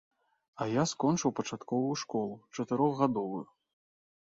А я скончыў пачатковую школу, чатырохгадовую.